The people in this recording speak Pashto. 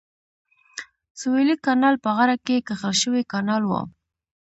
سویلي کانال په غره کې کښل شوی کانال و.